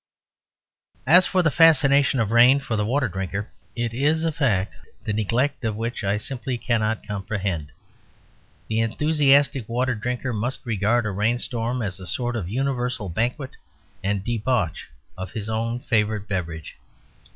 As for the fascination of rain for the water drinker, it is a fact the neglect of which I simply cannot comprehend. The enthusiastic water drinker must regard a rainstorm as a sort of universal banquet and debauch of his own favourite beverage.